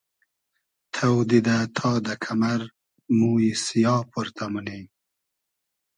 تۆ دیدۂ تا دۂ کئمئر مویی سیا پۉرتۂ مونی